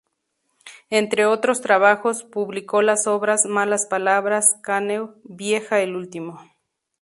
Entre otros trabajos publicó las obras "Malas palabras", "Canek", "¡Vieja el último!